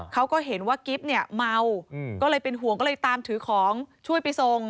เขาก็เห็นว่ากิ๊บเนี่ยเมาก็เลยเป็นห่วงก็เลยตามถือของช่วยไปส่ง